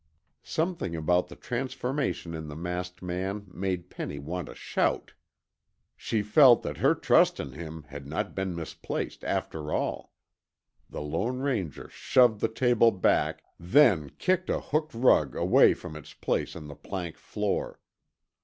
Something about the transformation in the masked man made Penny want to shout. She felt that her trust in him had not been misplaced after all. The Lone Ranger shoved the table back, then kicked a hooked rug away from its place on the plank floor.